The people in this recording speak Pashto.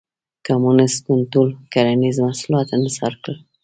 کمونېست ګوند ټول کرنیز محصولات انحصار کړل.